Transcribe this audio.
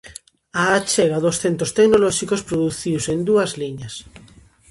A achega dos centros tecnolóxicos produciuse en dúas liñas.